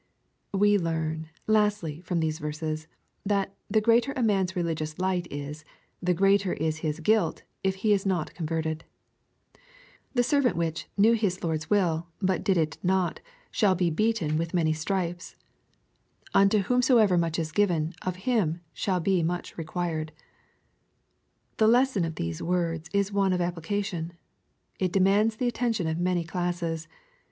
We learn, lastly, from these verses, that the greater a man's religious light is, the greater is his guilt if he is not converted. The servant which " knew his lord's will, but did it not, shall be beaten with many stripes." *^ Unto whomsoever much is given, of him shall be much re quired." The lesson of these words is one of wide application. It demands the attention of many classes.